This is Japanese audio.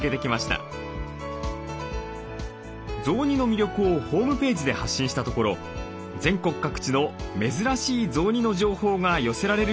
雑煮の魅力をホームページで発信したところ全国各地の珍しい雑煮の情報が寄せられるようにもなりました。